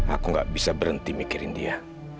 aku gak bisa berhenti mikirin dia